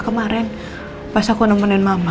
kemarin pas aku nemenin mama